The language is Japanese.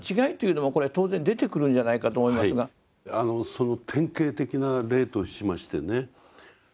その典型的な例としましてね